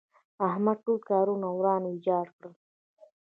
احمد ټول کارونه وران ويجاړ کړل.